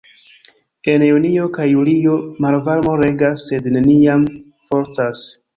En junio kaj julio malvarmo regas, sed neniam frostas.